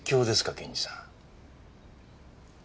検事さん。